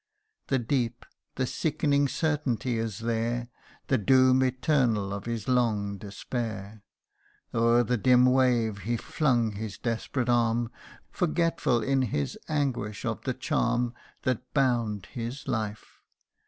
The deep the sickening certainty is there, The doom eternal of his long despair. O'er the dim wave he flung his desperate arm, Forgetful in his anguish of the charm That bound his life.